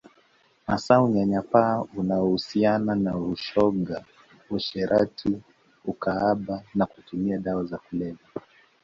Hasa unyanyapaa unaohusiana na ushoga uasherati ukahaba na kutumia dawa za kulevya